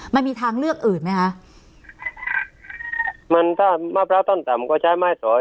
มันมีทางเลือกอื่นไหมคะมันถ้ามะพร้าวต้นต่ำก็ใช้ไม้สอย